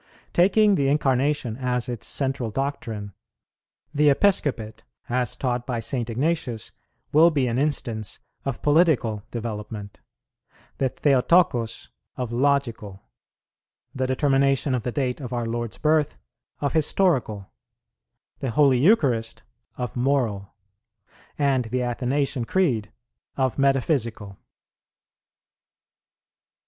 Taking the Incarnation as its central doctrine, the Episcopate, as taught by St. Ignatius, will be an instance of political development, the Theotokos of logical, the determination of the date of our Lord's birth of historical, the Holy Eucharist of moral, and the Athanasian Creed of metaphysical.